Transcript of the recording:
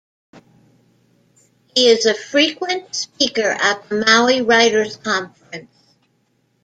He is a frequent speaker at the Maui Writers' Conference.